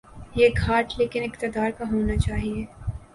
یہ گھاٹ لیکن اقتدارکا ہو نا چاہیے۔